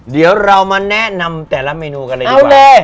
เดี๋ยวเรามาแนะนำแต่ละเมนูกันเลยดีกว่า